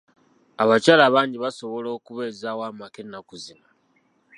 Abakyala bangi basobola okubeezawo amaka ennaku zino .